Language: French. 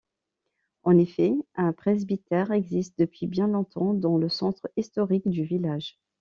En effet, un presbytère existe depuis bien longtemps dans le centre historique du village.